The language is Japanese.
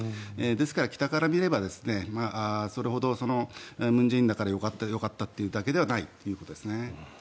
ですから北から見ればそれほど文在寅だからよかったということではないということですね。